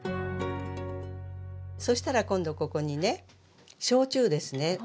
そしたら今度ここにね焼酎ですね。